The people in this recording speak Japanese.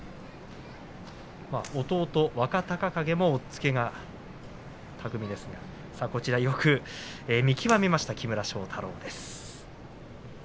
弟若隆景も押っつけが巧みですがこちらよく見極めました木村庄太郎。